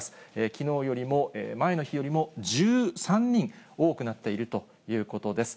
きのうよりも、前の日よりも１３人多くなっているということです。